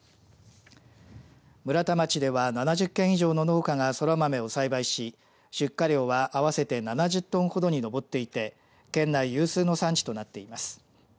村田町では７０軒以上の農家がそら豆を栽培し、出荷量は合わせて７０トンほどに上っていて県内有数の産地となっています。